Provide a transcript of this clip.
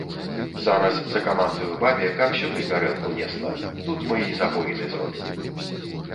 Зараз закамандую бабе, каб сюды гарэлку несла, тут мы і запоіны зробім.